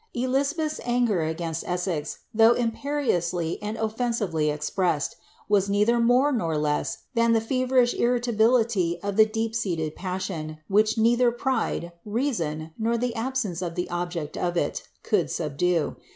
Elizabeth's anger against Essex, though imperiously and oflensively expressed, was neither more nor less than the feverish irritability of the deep seated passion, which neither pride, reason, nor the absence of the object of it, could subdue.